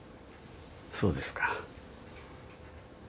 そうですか。